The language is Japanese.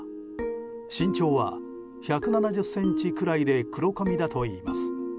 身長は１７０ｃｍくらいで黒髪だといいます。